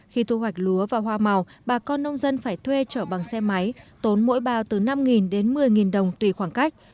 khi thu hoạch lúa và hoa màu bà con nông dân phải thuê trở bằng xe máy tốn mỗi bao từ năm đến một mươi đồng tùy khoảng cách